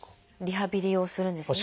リハビリをするんですね。